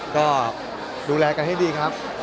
ก็ดูแลกันให้ดีครับ